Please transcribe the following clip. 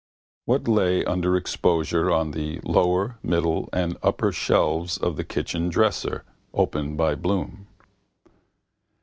What lay under exposure on the lower, middle and upper shelves of the kitchen dresser, opened by Bloom?